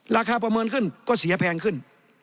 ประเมินขึ้นก็เสียแพงขึ้น